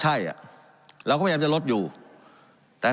การปรับปรุงทางพื้นฐานสนามบิน